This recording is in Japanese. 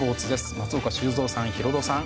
松岡修造さん、ヒロドさん